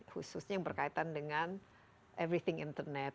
khususnya yang berkaitan dengan everything internet